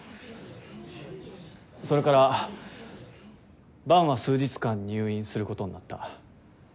それから伴は数日間入院することになった。